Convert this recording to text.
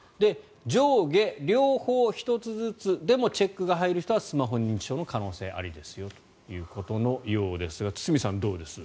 上下両方１つずつでもチェックが入る人はスマホ認知症の可能性ありですよということのようですが堤さん、どうです？